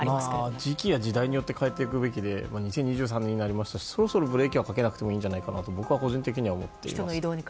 時期や時代によって変えていくべきで２０２３年になりましたしそろそろブレーキはかけなくていいと僕は思っています。